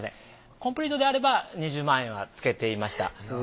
コンプリートであれば２０万円はつけていました。